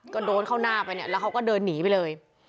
ก็โดนเข้าหน้าไปเนี่ยแล้วเขาก็เดินหนีไปเลย